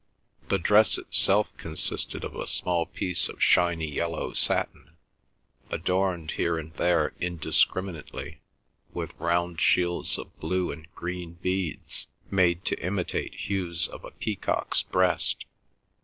The dress itself consisted of a small piece of shiny yellow satin, adorned here and there indiscriminately with round shields of blue and green beads made to imitate hues of a peacock's breast.